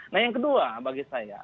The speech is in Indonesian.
nah yang kedua bagi saya